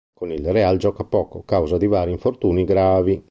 Con il Real gioca poco causa di vari infortuni gravi.